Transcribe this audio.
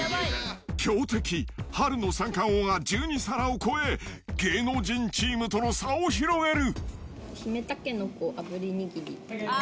強敵、春の三貫王が１２皿を超え、芸能人チームとの差を広げる。